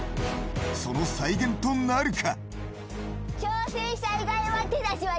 その再現となるか？